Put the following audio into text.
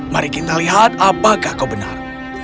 mari kita lihat apakah kau benar